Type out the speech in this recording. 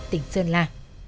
tỉnh sơn la